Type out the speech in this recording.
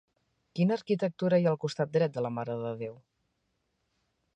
Quina arquitectura hi ha al costat dret de la Mare de Déu?